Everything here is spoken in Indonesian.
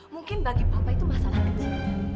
mungkin bagi bapak itu masalah kecil